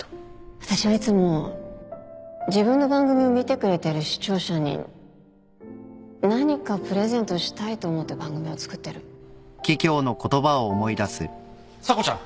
私はいつも自分の番組を見てくれてる視聴者に何かプレゼントしたいと思って番組を作ってる・査子ちゃん。